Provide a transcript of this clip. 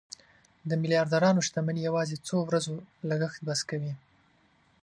د میلیاردرانو شتمني یوازې څو ورځو لګښت بس کوي.